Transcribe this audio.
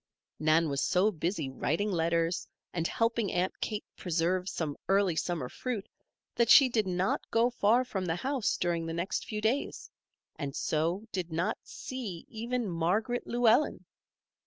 Nan was so busy writing letters, and helping Aunt Kate preserve some early summer fruit, that she did not go far from the house during the next few days, and so did not see even Margaret Llewellen.